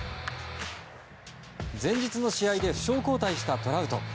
前日の試合で負傷交代したトラウト。